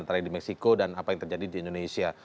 antara di meksiko dan apa yang terjadi di indonesia